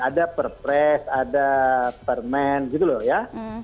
ada perpres ada permen gitu loh ya